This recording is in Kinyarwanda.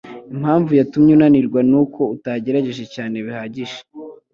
Impamvu yatumye unanirwa nuko utagerageje cyane bihagije.